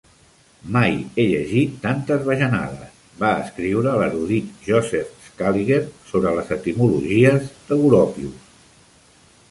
"Mai he llegit tantes bajanades", va escriure l'erudit Joseph Scaliger sobre les etimologies de Goropius.